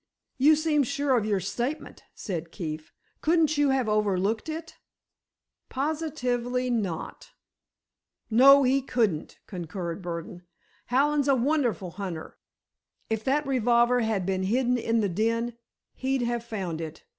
"You seem sure of your statement," said Keefe. "Couldn't you have overlooked it?" "Positively not." "No, he couldn't," concurred Burdon. "Hallen's a wonderful hunter. If that revolver had been hidden in the den, he'd have found it.